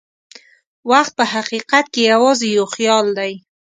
وخت په حقیقت کې یوازې یو خیال دی.